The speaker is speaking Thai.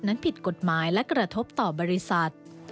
นั้นผิดกฎหมายและกระทบต่อบริษัท